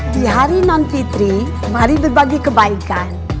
di hari non fitri mari berbagi kebaikan